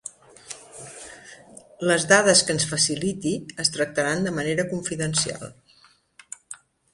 Les dades que ens faciliti es tractaran de manera confidencial.